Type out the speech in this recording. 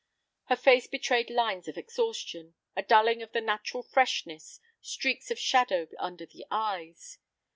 Her face betrayed lines of exhaustion, a dulling of the natural freshness, streaks of shadow under the eyes.